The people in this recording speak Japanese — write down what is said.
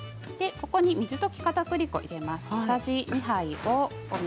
ここに水溶きかたくり粉を入れますね。